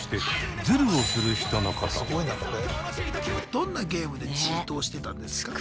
どんなゲームでチートをしてたんですか？